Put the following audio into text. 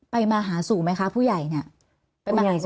มาหาสู่ไหมคะผู้ใหญ่เนี่ย